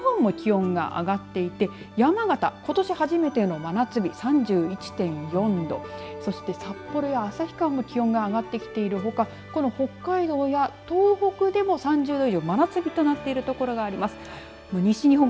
また、きょうは北日本も気温が上がっていて山形、ことし初めての真夏日３１．４度そして、札幌や旭川も気温が上がってきているほかこの北海道や東北でも３０度以上、真夏日となっている所があります。